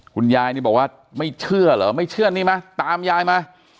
คุณยายนี่บอกว่าไม่เชื่อเหรอไม่เชื่อนี่มาตามยายมา